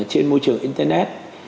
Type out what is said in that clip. trên môi trường internet